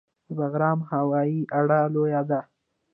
د بګرام هوایي اډه لویه ده